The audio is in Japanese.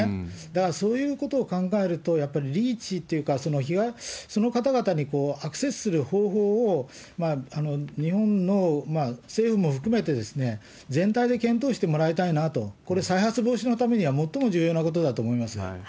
だから、そういうことを考えると、やっぱりリーチというか、その方々にアクセスする方法を日本の政府も含めて、全体で検討してもらいたいなと、これ、再発防止のためには最も重要なことだと思います。